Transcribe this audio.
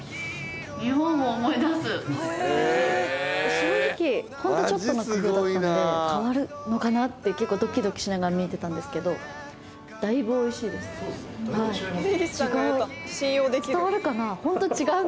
正直ホントちょっとの工夫だったので変わるのかなって結構ドキドキしながら見てたんですけどそうですねだいぶ違います